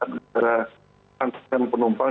kita angkatkan penumpang